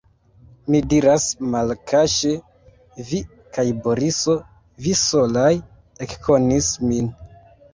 Mi diras malkaŝe: vi kaj Boriso, vi solaj ekkonis min.